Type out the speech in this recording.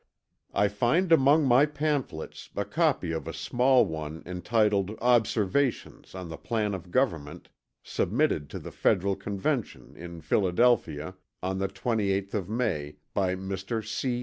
I find among my pamphlets a copy of a small one entitled Observations on the Plan of Government submitted to the Federal Convention, in Philadelphia, on the 28th of May, by Mr. C.